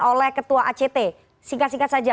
oleh ketua act singkat singkat saja